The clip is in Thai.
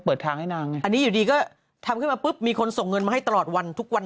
เปิดทางให้นางไงอันนี้อยู่ดีก็ทำขึ้นมาปุ๊บมีคนส่งเงินมาให้ตลอดวันทุกวัน